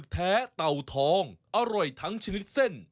แก้วปัชชาอะไรป่ะน้ำสกุลสัน